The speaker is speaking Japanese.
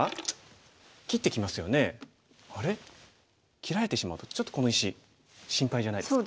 切られてしまうとちょっとこの石心配じゃないですか。